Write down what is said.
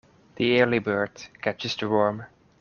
The early bird catches the worm.